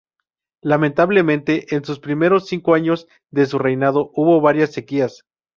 Lamentablemente, en sus primeros cinco años de su reinado hubo varias sequías.